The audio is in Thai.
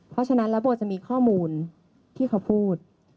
เพราะฉะนั้นแล้วโบจะมีข้อมูลที่เขาพูด